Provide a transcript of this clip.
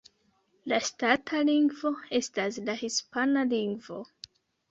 La ŝtata lingvo estas la hispana lingvo.